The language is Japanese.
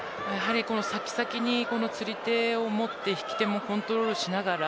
先に先に釣り手を持って引き手もコントロールしながら